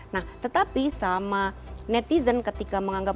nah tetapi sama netizen ketika menganggap